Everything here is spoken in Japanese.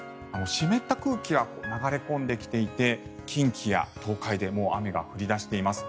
湿った空気が流れ込んできていて近畿や東海でもう雨が降り出しています。